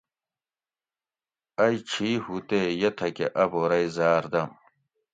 ائی چھی ہُو تے یہ تھکہ اۤ بورئی زاۤر دۤم